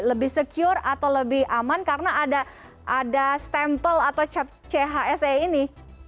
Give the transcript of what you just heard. lebih secure atau lebih aman karena ada stempel atau cap chse ini